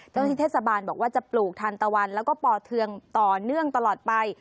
ที่เทศบาลบอกว่าจะปลูกทันตะวันแล้วก็ป่อเทืองต่อเนื่องตลอดไป